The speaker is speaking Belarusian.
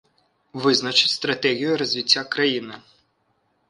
Вызначыць стратэгію развіцця краіны.